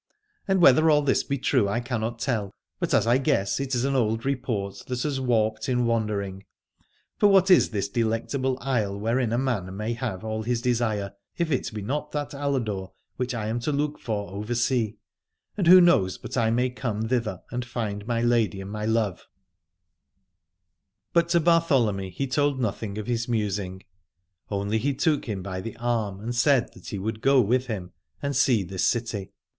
And whether all this be true I cannot tell, but as I guess it is an old report that has warped in wandering. For what is this Delectable Isle wherein a man may have all his desire, if it be not that Aladore which I am to look for over sea, and who knows but I may come thither and find my lady and my love ? 148 Aladore But to Bartholomy he told nothing of his musing : only he took him by the arm and said that he would go with him and see this city.